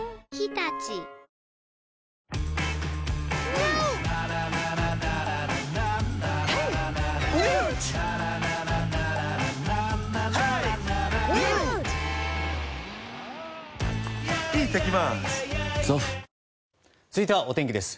ニトリ続いては、お天気です。